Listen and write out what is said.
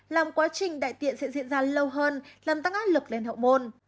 làm quá trình đại tiện sẽ diễn ra lâu hơn làm tăng áp lực lên hậu môn